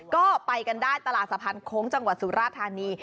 ก็ไปกันได้ตลาดสะพานโค้งจังหวัดสุราธานี